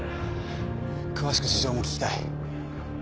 詳しく事情も聴きたい。